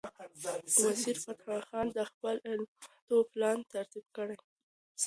وزیرفتح خان د خپلو عملیاتو پلان ترتیب کړ.